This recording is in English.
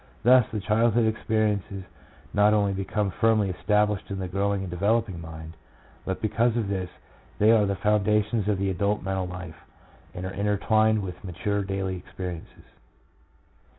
Thus, the childhood experiences not only become firmly es tablished in the growing and developing mind, but because of this they are the foundations of the adult mental life, and are intertwined with mature daily experiences.